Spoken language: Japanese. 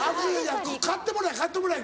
買ってもらえ買ってもらえ。